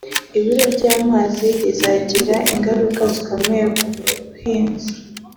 Ibura ry’amazi rizagira ingaruka zikomeye ku buhinzi